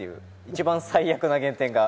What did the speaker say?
一番、最悪な減点が。